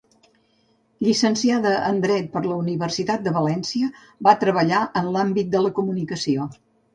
Llicenciada en Dret per la Universitat de València, va treballar en l'àmbit de la comunicació.